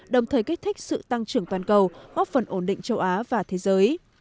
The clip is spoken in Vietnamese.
đồng thời kích thích sự tăng trưởng toàn cầu góp phần ổn định châu á và thế giới